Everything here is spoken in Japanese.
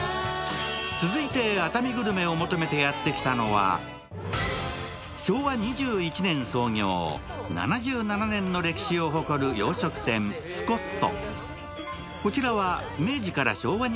続いて、熱海グルメを求めてやって来たのは、昭和２１年創業、７７年の歴史を誇る洋食店・スコット。